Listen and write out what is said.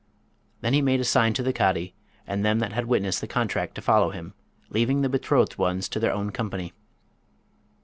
Then he made a sign to the Cadi and them that had witnessed the contract to follow him, leaving the betrothed ones to their own company.